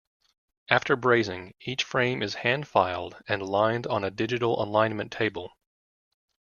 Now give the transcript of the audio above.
After brazing, each frame is hand filed and aligned on a digital alignment table.